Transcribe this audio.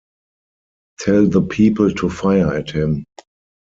Tell the people to fire at him.